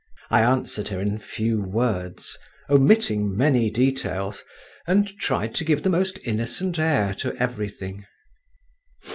I answered her in few words, omitting many details, and trying to give the most innocent air to everything.